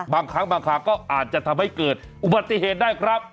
บางครั้งบางคราก็อาจจะทำให้เกิดอุบัติเหตุได้ครับ